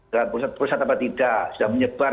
dalam perusahaan atau tidak sudah menyebar